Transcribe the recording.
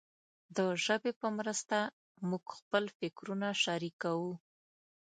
د ژبې په مرسته موږ خپل فکرونه شریکوو.